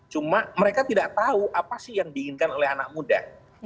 cuma mereka tidak tahu apa sih yang diinginkan oleh anak muda